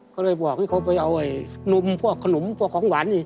ก็เลยบอกให้เขาไปเอานมพวกขนมพวกของหวานอีก